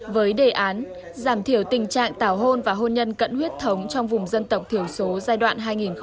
với đề án giảm thiểu tình trạng tảo hôn và hôn nhân cận huyết thống trong vùng dân tộc thiểu số giai đoạn hai nghìn một mươi sáu hai nghìn ba mươi